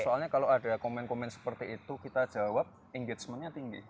soalnya kalau ada komen komen seperti itu kita jawab engagementnya tinggi